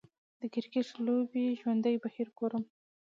د کریکټ د لوبې ژوندی بهیر ګورم